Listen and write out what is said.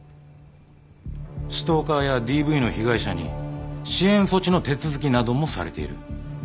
ストーカーやＤＶの被害者に支援措置の手続きなどもされている。